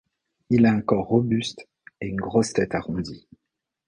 Il a un corps robuste et une grosse tête arrondie.